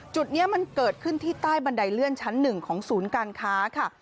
จุดนี้มันเกิดขึ้นที่ใต้บันไดเลื่อนชั้น๑ของศูนย์การค้าค่ะ